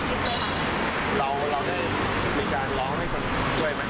คุณพูดได้ดีแต่คุณพูดสนใจกับพี่นาน